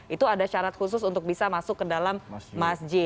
itu ada syarat khusus untuk bisa masuk ke dalam masjid